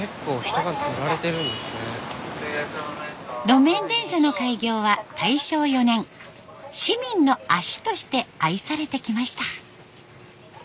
路面電車の開業は大正４年市民の足として愛されてきました。